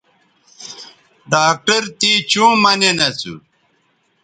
ڈاکٹر تے چوں مہ نین اسو